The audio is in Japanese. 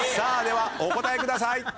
ではお答えください。